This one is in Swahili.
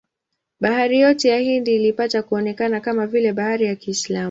Bahari yote ya Hindi ilipata kuonekana kama vile bahari ya Kiislamu.